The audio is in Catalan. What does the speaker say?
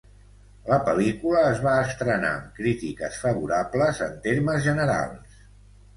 La pel·lícula es va estrenar amb crítiques favorables en termes generals.